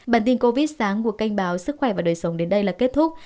bản tin covid sáng của kênh báo sức khỏe và đời sống đến đây là kết thúc